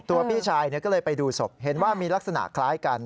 พี่ชายก็เลยไปดูศพเห็นว่ามีลักษณะคล้ายกัน